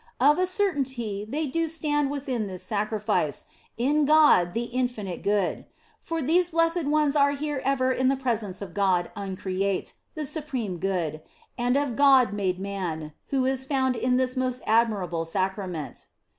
Of a certainty they do stand within this sacrifice, in God the infinite Good ; for these blessed ones are here ever in the presence of God uncreate, the Supreme Good, and of God made Man, who is found in this most admirable Sacrament.